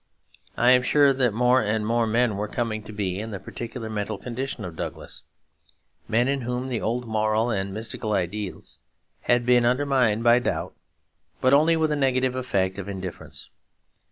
I am sure that more and more men were coming to be in the particular mental condition of Douglas; men in whom the old moral and mystical ideals had been undermined by doubt but only with a negative effect of indifference.